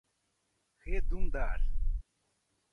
redundar